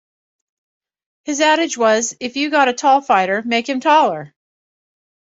His adage was: If you got a tall fighter, make him taller.